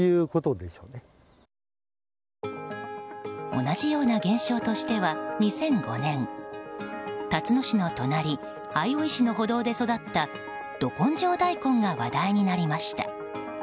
同じような現象としては２００５年たつの市の隣相生市の歩道で育ったど根性大根が話題になりました。